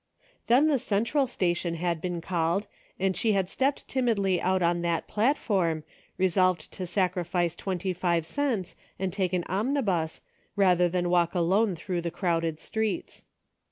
Then the Central Station had been called, and she had stepped timidly out on that platform, resolved to sacrifice twenty five cents and take an omnibus, rather than walk alone through the crowded streets.